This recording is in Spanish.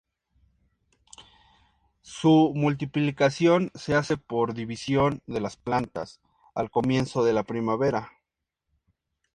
Su multiplicación se hace por división de las plantas al comienzo de la primavera.